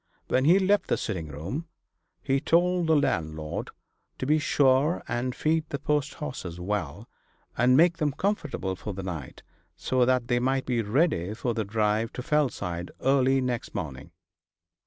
When he left the sitting room he told the landlord to be sure and feed the post horses well, and make them comfortable for the night, so that they might be ready for the drive to Fellside early next morning.